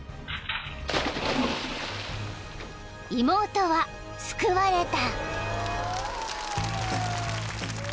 ［妹は救われた］